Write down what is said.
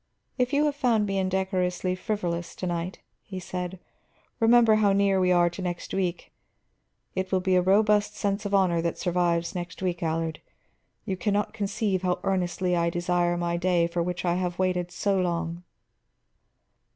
"If you have found me indecorously frivolous to night," he said, "remember how near we are to next week. It will be a robust sense of honor that survives next week, Allard. You can not conceive how earnestly I desire my day for which I have waited so long."